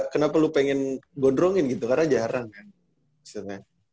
kenapa lu pengen gondrongin gitu karena jarang kan